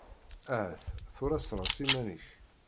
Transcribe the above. Aha tura sres iman-ik!